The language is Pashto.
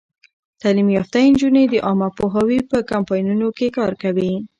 تعلیم یافته نجونې د عامه پوهاوي په کمپاینونو کې کار کوي.